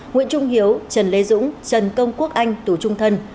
nguyễn trung hiếu trần lê dũng trần công quốc anh tù trung thân